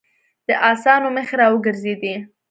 د آسونو مخې را وګرځېدې.